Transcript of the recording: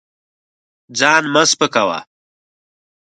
ځان مه سپکوه.